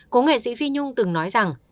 cố nghệ sĩ phi nhung từng nói rằng